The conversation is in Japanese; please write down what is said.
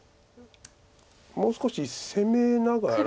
もう少し攻めながら。